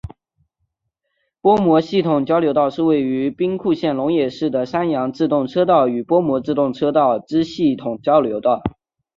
播磨系统交流道是位于兵库县龙野市的山阳自动车道与播磨自动车道之系统交流道。